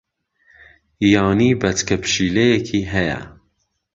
یانی بەچکە پشیلەیەکی ھەیە.